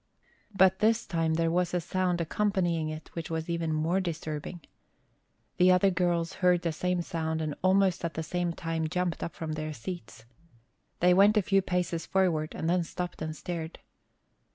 But this time there was a sound accompanying it which was even more disturbing. The other girls heard the same sound and almost at the same time jumped up from their seats. They went a few paces forward and then stopped and stared.